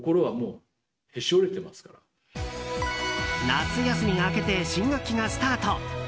夏休みが明けて新学期がスタート。